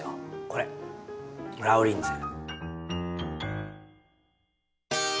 これラウリンゼ。